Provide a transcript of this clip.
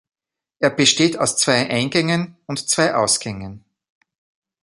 Er besteht aus zwei Eingängen und zwei Ausgängen.